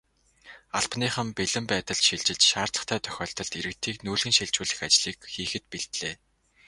Албаныхан бэлэн байдалд шилжиж, шаардлагатай тохиолдолд иргэдийг нүүлгэн шилжүүлэх ажлыг хийхэд бэлдлээ.